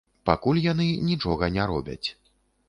Пакуль яны нічога не робяць.